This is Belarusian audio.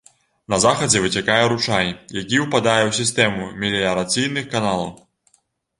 На захадзе выцякае ручай, які ўпадае ў сістэму меліярацыйных каналаў.